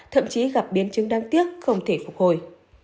thậm chí gặp biến chứng đáng tiếc không thể phục hồi